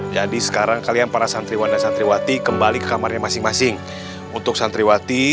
jadi sekarang kalian para santriwan dan santriwati kembali ke kamarnya masing masing untuk santriwati